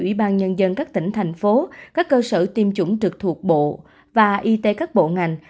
ủy ban nhân dân các tỉnh thành phố các cơ sở tiêm chủng trực thuộc bộ và y tế các bộ ngành